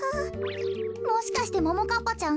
もしかしてももかっぱちゃん